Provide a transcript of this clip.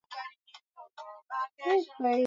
bado cha kujifunza juu ya mfumo huu wa ajabu